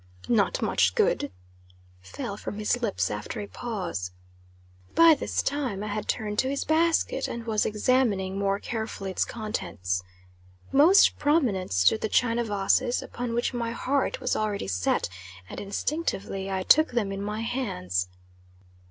"Not much good!" fell from his lips after a pause. By this time I had turned to his basket, and was examining, more carefully, its contents. Most prominent stood the china vases, upon which my heart was already set; and instinctively I took them in my hands.